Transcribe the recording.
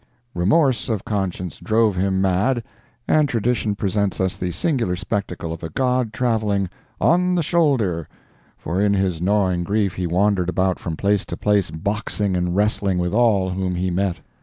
Remorse of conscience drove him mad, and tradition presents us the singular spectacle of a god traveling "on the shoulder;" for in his gnawing grief he wandered about from place to place boxing and wrestling with all whom he met.